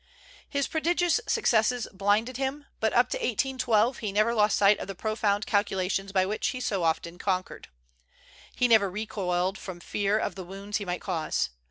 His prodigious successes blinded him; but up to 1812 he never lost sight of the profound calculations by which he so often conquered. He never recoiled from fear of the wounds he might cause.